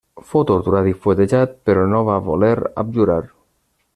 Fou torturat i fuetejat, però no va voler abjurar.